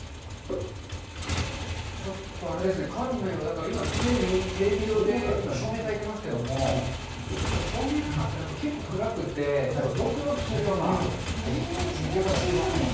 ちょっと、あれですね、館内は、今、テレビ用に照明をたいてますけども、照明がなかったら、結構暗くて、ちょっとゾクゾクするような見せ方をしてますもんね。